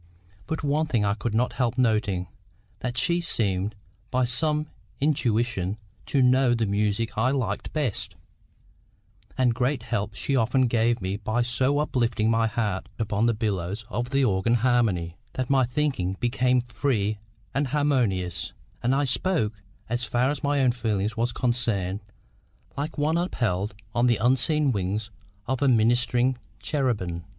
But one thing I could not help noting—that she seemed, by some intuition, to know the music I liked best; and great help she often gave me by so uplifting my heart upon the billows of the organ harmony, that my thinking became free and harmonious, and I spoke, as far as my own feeling was concerned, like one upheld on the unseen wings of ministering cherubim.